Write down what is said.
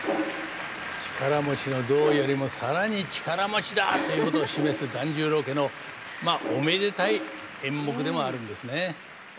力持ちの象よりも更に力持ちだということを示す團十郎家のまあおめでたい演目でもあるんですね。